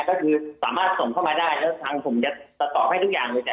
ก็คือสามารถส่งเข้ามาได้แล้วทางผมจะตอบให้ทุกอย่างเลย